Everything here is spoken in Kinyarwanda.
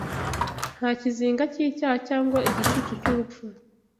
Nta kizinga cy’icyaha cyangwa igicucu cy’urupfu